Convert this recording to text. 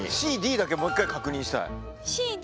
ＣＤだけもう一回確認したい。